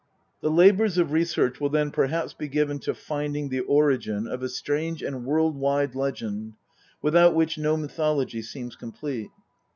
The labours of research will then perhaps be given to finding the origin of a strange and world wide legend, without which no mythology seems complete.